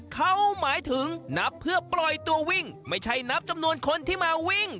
เขาหมายถึงนับเพื่อปล่อยตัววิ่งไม่ใช่นับจำนวนคนที่มาวิ่ง